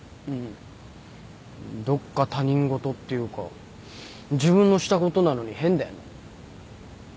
どっか他人事っていうか自分のしたことなのに変だよね。